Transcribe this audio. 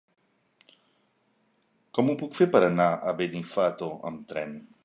Com ho puc fer per anar a Benifato amb tren?